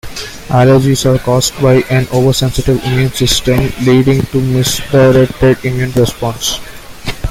Allergies are caused by an oversensitive immune system, leading to a misdirected immune response.